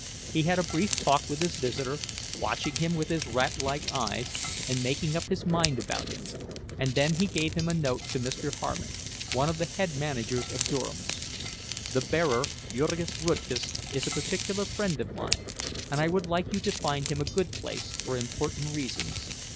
He had a brief talk with his visitor, watching him with his ratlike eyes, and making up his mind about him; and then he gave him a note to Mr. Harmon, one of the head managers of Durham's— "The bearer, Jurgis Rudkus, is a particular friend of mine, and I would like you to find him a good place, for important reasons.